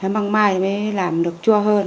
măng mai mới làm được chua hơn